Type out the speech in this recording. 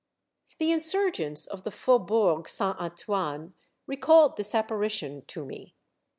The insurgents of the Faubourg Saint Antoine recalled this apparition to me.